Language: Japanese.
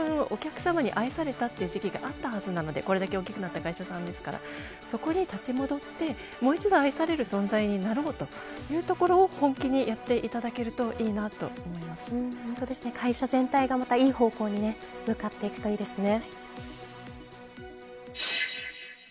みんなで、たぶんお客様に愛されたという時期があったはずなんで、これだけ大きくなった会社ですからそこで立ち戻って、もう一度愛される存在になろうというところを、本気でやっていただければいいなと会社全体がいい方向に向かっていくといいですね。